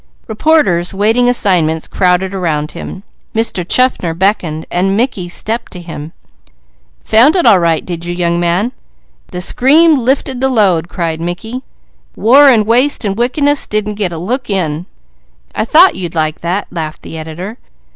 Reporters waiting assignments crowded around him; Mr. Chaffner beckoned, and Mickey stepped to him. "Found it all right, did you, young man?" "The scream lifted the load!" cried Mickey. "War, and waste, and wickedness, didn't get a look in." "I thought you'd like that!" laughed the editor.